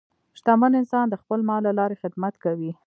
شتمن انسان د خپل مال له لارې خدمت کوي.